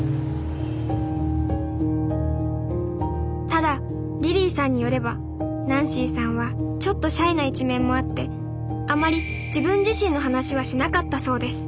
ただリリーさんによればナンシーさんはちょっとシャイな一面もあってあまり自分自身の話はしなかったそうです。